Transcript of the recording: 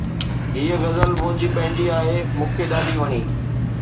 هيءَ غزل منهنجي پنهنجي آهي، مون کي ڏاڍي وڻي